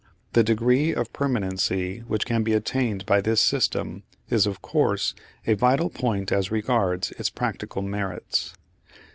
The degree of permanency which can be attained by this system is, of course, a vital point as regards its practical merits.